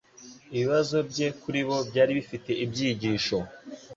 ibibazo bye kuribo byari bifite ibyigisho.